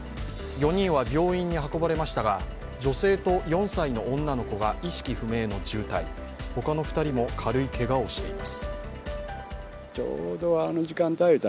４人は病院に運ばれましたが、女性と４歳の女の子が意識不明の重体他の２人も軽いけがをしています